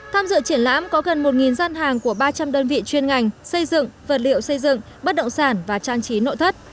tham dự triển lãm có gần một gian hàng của ba trăm linh đơn vị chuyên ngành xây dựng vật liệu xây dựng bất động sản và trang trí nội thất